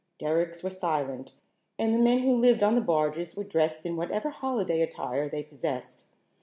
Derricks were silent and the men who lived on the barges were dressed in whatever holiday attire they possessed.